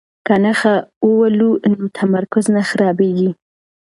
که نښه وولو نو تمرکز نه خرابیږي.